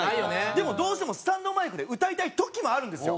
でもどうしてもスタンドマイクで歌いたい時もあるんですよ！